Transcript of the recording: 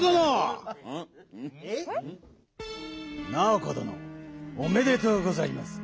おめでとうございます。